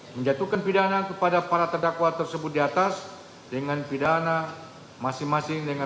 menjatuhkan pidana kepada para terdakwa tersebut di atas dengan pidana masing masing dengan